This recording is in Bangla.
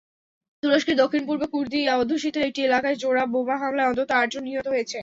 তুরস্কের দক্ষিণ-পূর্বে কুর্দি-অধ্যুষিত একটি এলাকায় জোড়া বোমা হামলায় অন্তত আটজন নিহত হয়েছে।